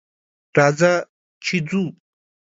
راځه ! چې ځو.